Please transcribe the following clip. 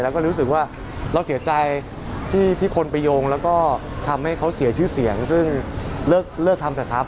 แล้วก็รู้สึกว่าเราเสียใจที่คนไปโยงแล้วก็ทำให้เขาเสียชื่อเสียงซึ่งเลิกทำเถอะครับ